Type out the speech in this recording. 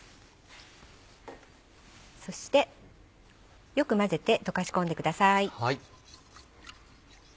そしてよく混ぜて溶かし込んでください。